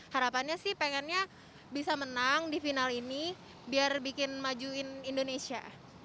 harapannya sih pengennya bisa menang di final ini biar bikin majuin indonesia